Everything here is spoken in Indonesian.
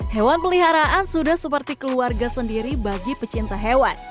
hewan peliharaan sudah seperti keluarga sendiri bagi pecinta hewan